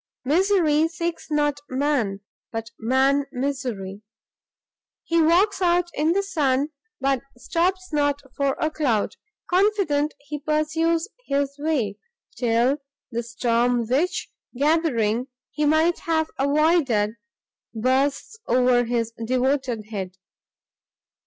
Misery seeks not man, but man misery. He walks out in the sun, but stops not for a cloud; confident, he pursues his way, till the storm which, gathering, he might have avoided, bursts over his devoted head.